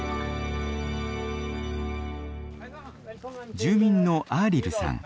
住民のアーリルさん。